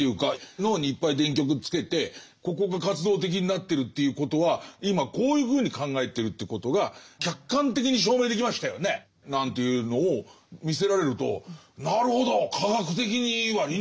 脳にいっぱい電極つけて「ここが活動的になってるということは今こういうふうに考えてるということが客観的に証明できましたよね」なんていうのを見せられるとなるほど科学的には理にかなってる話だって。